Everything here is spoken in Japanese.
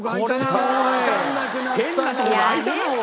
また変なとこが開いたなおい。